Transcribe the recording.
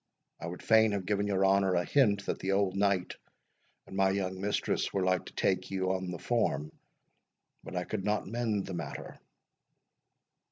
I would fain have given your honour a hint that the old knight and my young mistress were like to take you on the form, but I could not mend the matter."